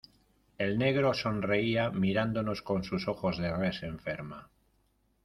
el negro sonreía, mirándonos con sus ojos de res enferma: